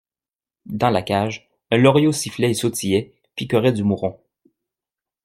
Dans la cage, un loriot sifflait et sautillait, picorait du mouron.